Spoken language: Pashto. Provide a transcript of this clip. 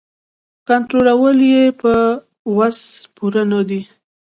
کنټرولول یې په وس پوره نه دي.